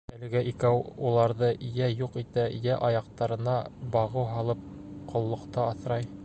Әлеге икәү уларҙы йә юҡ итә, йә, аяҡтарына бығау һалып, ҡоллоҡта аҫрай.